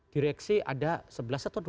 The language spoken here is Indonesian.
direksi ada sebelas atau dua